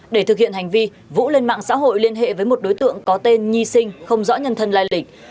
để thực hiện hành vi vũ lên mạng xã hội liên hệ với một đối tượng có tên nhi sinh không rõ nhân thân lai lịch